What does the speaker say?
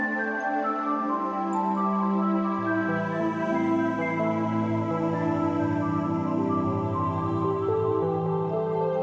โปรดติดตามตอนต่อไป